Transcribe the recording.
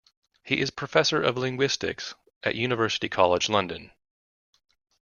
He is Professor of Linguistics at University College London.